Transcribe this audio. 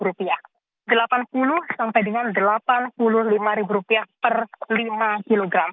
rp delapan puluh sampai dengan rp delapan puluh lima per lima kg